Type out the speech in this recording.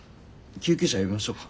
救急車呼びましょうか？